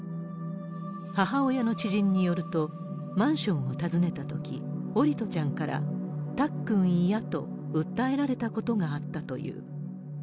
母親の知人によると、マンションを訪ねたとき、桜利斗ちゃんから、たっくん嫌と訴えられたことがあったという。